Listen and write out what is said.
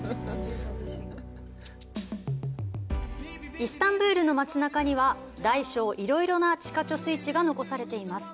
イスタンブルの街なかには大小いろいろな地下貯水池が残されています。